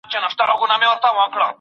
معنوي ژوند د مادي ژوند په پرتله مهم دی.